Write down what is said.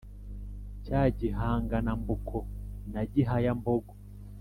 cya gihangana-mbuko na gihaya-mbogo,